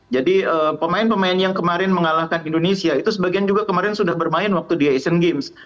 jadi pemain pemain yang kemarin mengalahkan indonesia itu sebagian juga kemarin sudah bermain waktu di asian games